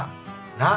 なあ。